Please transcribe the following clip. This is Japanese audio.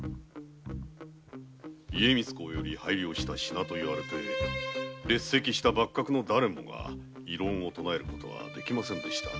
家光公より拝領した品と言われて列席した幕閣のだれもが異論を唱えることができませんでした。